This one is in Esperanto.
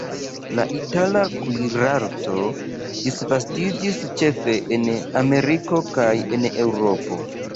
La itala kuirarto disvastiĝis ĉefe en Ameriko kaj en Eŭropo.